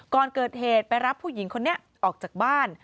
ก่อนเกิดเหตุไปรับผู้หญิงคนนี้ออกจากบ้าน